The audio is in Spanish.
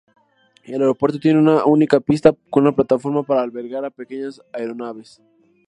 El aeropuerto tiene una única pista, con una plataforma para albergar a pequeñas aeronaves.